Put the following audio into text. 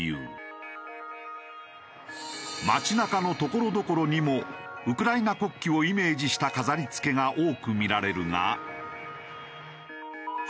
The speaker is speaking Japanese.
街なかのところどころにもウクライナ国旗をイメージした飾り付けが多く見られるが。